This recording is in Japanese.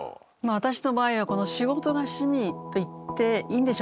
私の場合はこの仕事が趣味と言っていいんでしょうか。